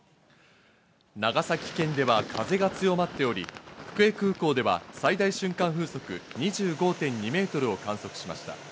長崎県では風が強まっており、福江空港では最大瞬間風速２５．２メートルを観測しました。